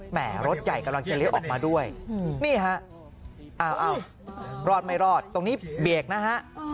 แม่รถใหญ่กำลังจะเลี้ยวออกมาด้วยนี่ฮะอ้าวรอดไม่รอดตรงนี้เบรกนะฮะ